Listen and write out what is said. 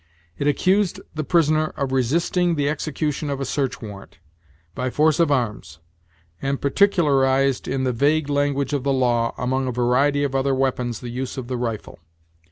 It accused the prisoner of resisting the execution of a search warrant, by force of arms, and particularized in the vague language of the law, among a variety of other weapons, the use of the rifle.